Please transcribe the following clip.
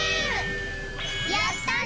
やったね！